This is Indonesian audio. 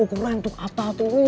keren tuh apa tuh